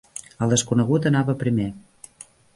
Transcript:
El desconegut anava primer.